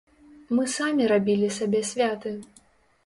Мы самі рабілі сабе святы.